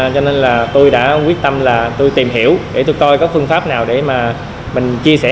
cho nên là tôi đã quyết tâm tìm hiểu để tôi coi có phương pháp nào để mình chia sẻ